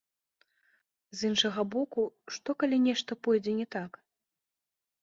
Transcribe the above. З іншага боку, што, калі нешта пойдзе не так?